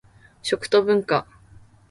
食と文化